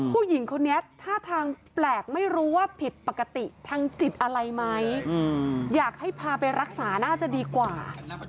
ผู้หญิงคนนี้ท่าทางแปลกไม่รู้ว่าผิดปกติทางจิตอะไรไหมอยากให้พาไปรักษาน่าจะดีกว่า